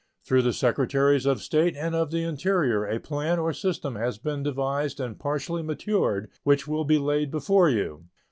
Through the Secretaries of State and of the Interior a plan or system has been devised and partly matured, and which will be laid before you.